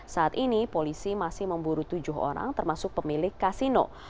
saat ini polisi masih memburu tujuh orang termasuk pemilik kasino